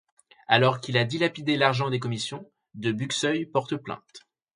Alors qu'il a dilapidé l'argent des commissions, De Buxeuil porte plainte.